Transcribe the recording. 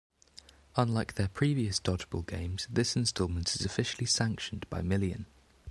Unlike their previous Dodgeball games, this installment is officially sanctioned by Million.